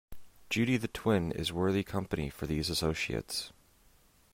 Judy the twin is worthy company for these associates.